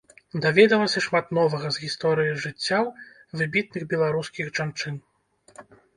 Даведалася шмат новага з гісторыі жыццяў выбітных беларускіх жанчын.